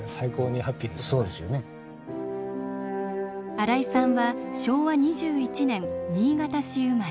新井さんは昭和２１年新潟市生まれ。